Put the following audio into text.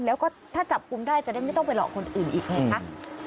แล้วก็ถ้าจับกุมได้จะได้ไม่ต้องไปหลอกคนอื่นอีกไงคะ